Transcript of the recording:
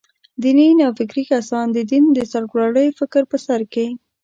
دیني نوفکري کسان «د دین د سرلوړۍ» فکر په سر کې.